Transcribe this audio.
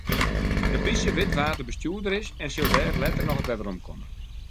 De plysje wit wa't de bestjoerder is en sil dêr letter noch op weromkomme.